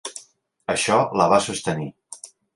Això la va sostenir.